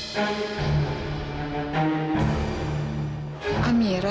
kamulah naftali dan yazmin pria